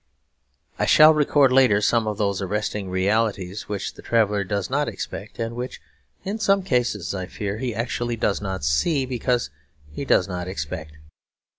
I shall record later some of those arresting realities which the traveller does not expect; and which, in some cases I fear, he actually does not see because he does not expect.